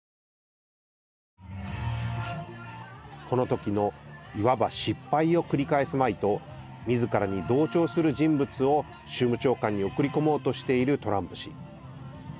この時のいわば失敗を繰り返すまいとみずからに同調する人物を州務長官に送り込もうとしているトランプ氏。